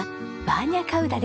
バーニャカウダ？